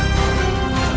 aku tidak peduli